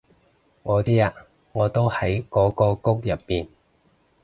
我知啊我都喺嗰個谷入面